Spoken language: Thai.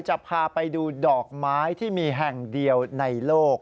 จะพาไปดูดอกไม้ที่มีแห่งเดียวในโลก